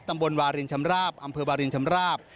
ตำบลวารินชำราบอำเภอวารินชำราบ